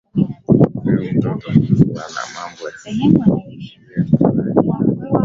huyu mtoto Bwana mambo ya kitoto mzee mropokaji lakini basi lile neno linaniuma sana